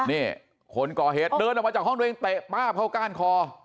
นี่คนก่อเหตุเดินออกมาจากห้องตัวเองเตะป้าบเข้าก้านคอ